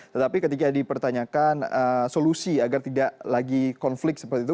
tetapi ketika dipertanyakan solusi agar tidak lagi konflik seperti itu